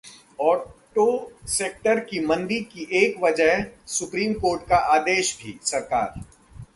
auto sector की मंदी की एक वजह सुप्रीम कोर्ट का आदेश भी: सरकार